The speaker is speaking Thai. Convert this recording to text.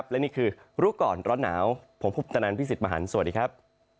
และนี่คือรู้ก่อนร้อนหนาวผมพุทธนันพี่สิทธิ์มหันฯสวัสดีครับ